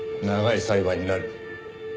長い裁判になる。